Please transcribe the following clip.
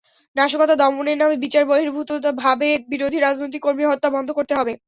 নাশকতা দমনের নামে বিচারবহির্ভূতভাবে বিরোধী রাজনৈতিক কর্মী হত্যা বন্ধ করতে হবে।